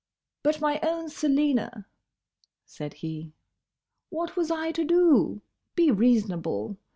"But, my own Selina," said he, "what was I to do? Be reasonable.